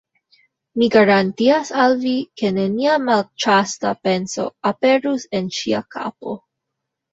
Mi garantias al vi, ke nenia malĉasta penso aperus en ŝia kapo.